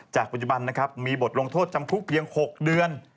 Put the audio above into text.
ปัจจุบันนะครับมีบทลงโทษจำคุกเพียง๖เดือน